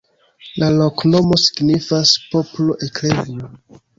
La loknomo signifas poplo-eklezio.